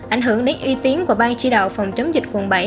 ảnh hưởng đến uy tín của bang chỉ đạo phòng chống dịch quận bảy